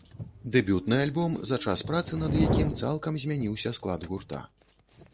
Дэбютны альбом, за час працы над якім, цалкам змяніўся склад гурта.